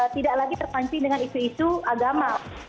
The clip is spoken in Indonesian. tidak lagi terpancing dengan isu isu agama